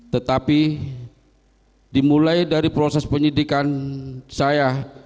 tetapi dimulai dari proses penyidikan saya